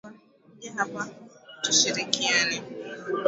Kuja hapa tushirikiane